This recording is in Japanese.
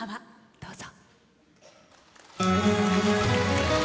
どうぞ。